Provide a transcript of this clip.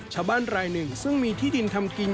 ชาวบ้านรายหนึ่งซึ่งมีที่ดินทำกิน